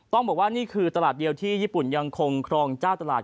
บอกว่านี่คือตลาดเดียวที่ญี่ปุ่นยังคงครองเจ้าตลาด